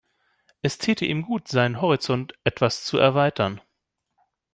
Es täte ihm gut, seinen Horizont etwas zu erweitern.